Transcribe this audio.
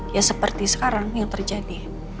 ya seperti sekarang yang terjadi